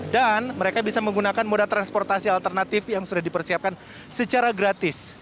dan mereka bisa menggunakan moda transportasi alternatif yang sudah dipersiapkan secara gratis